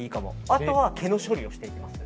あとは毛の処理をしていきます。